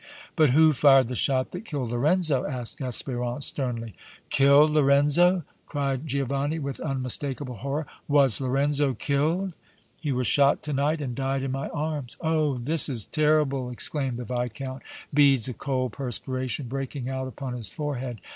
"But who fired the shot that killed Lorenzo?" asked Espérance, sternly. "Killed Lorenzo!" cried Giovanni, with unmistakable horror. "Was Lorenzo killed?" "He was shot to night and died in my arms!" "Oh! this is terrible!" exclaimed the Viscount, beads of cold perspiration breaking out upon his forehead.